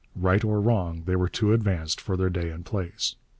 Right or wrong, they were too advanced for their day and place.